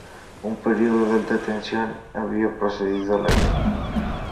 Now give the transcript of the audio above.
Un período de alta tensión había precedido a la guerra.